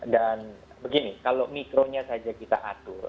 dan begini kalau mikronya saja kita atur